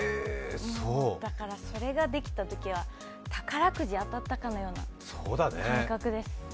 だから、それができたときは宝くじが当たったかのような感覚です。